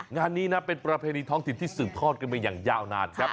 งานนี้เป็นประเพณีท้องถิตที่สืบทอดขึ้นไปอย่างยาวนาน